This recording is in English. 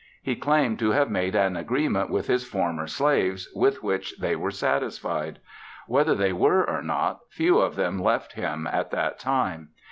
He claimed to have made an agreement with his former slaves, with which they were satisfied. Whether they were or not, few of them left him at that time.